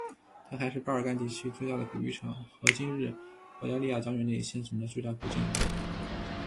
它还是巴尔干地区最大的古浴场和今日保加利亚疆域内现存的最大古建筑。